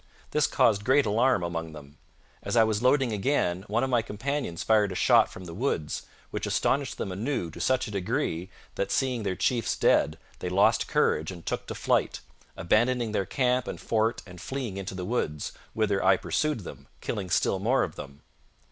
This caused great alarm among them. As I was loading again, one of my companions fired a shot from the woods, which astonished them anew to such a degree that, seeing their chiefs dead, they lost courage and took to flight, abandoning their camp and fort and fleeing into the woods, whither I pursued them, killing still more of them.